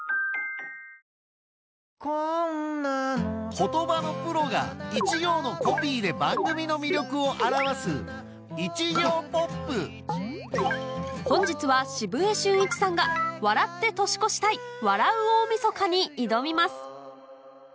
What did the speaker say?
言葉のプロが一行のコピーで番組の魅力を表す本日は澁江俊一さんが『笑って年越したい‼笑う大晦日』に挑みます